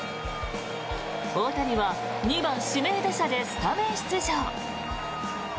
大谷は２番指名打者でスタメン出場。